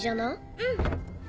うん。